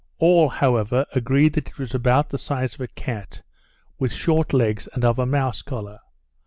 All, however, agreed, that it was about the size of a cat, with short legs, and of a mouse colour.